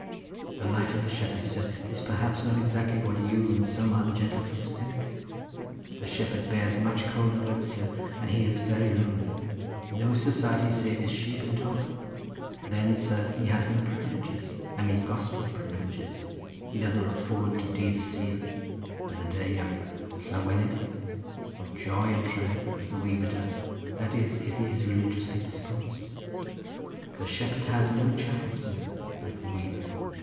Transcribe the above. The life of a shepherd, sir, is perhaps not exactly what you and some other gentlefolks think. The shepherd bears much cold and wet, sir, and he is very lonely; no society save his sheep and dog. Then, sir, he has no privileges. I mean gospel privileges. He does not look forward to Dydd Sul, as a day of llawenydd, of joy and triumph, as the weaver does; that is if he is religiously disposed. The shepherd has no chapel, sir, like the weaver.